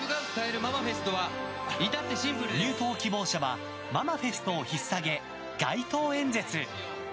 入党希望者はママフェストをひっさげ街頭演説。